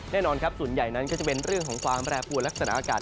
แน่นอนครับส่วนใหญ่นั้นก็จะเป็นเรื่องของความแปรปวดลักษณะอากาศ